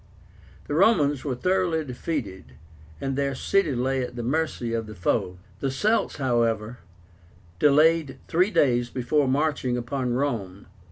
The Romans were thoroughly defeated and their city lay at the mercy of the foe. The Celts, however, delayed three days before marching upon Rome.